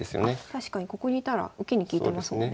確かにここにいたら受けに利いてますもんね。